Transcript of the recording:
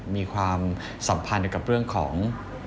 มีความสัมพันธ์กับเรื่องของ